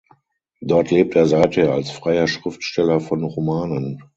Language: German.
Dort lebt er seither als freier Schriftsteller von Romanen.